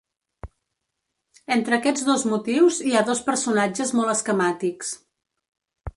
Entre aquests dos motius hi ha dos personatges molt esquemàtics.